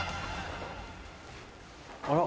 あら？